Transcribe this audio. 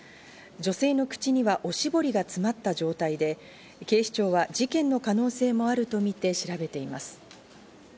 女性の口にはおしぼりが詰まった状態で、警視庁は事件の可能性もあるとみて調べています。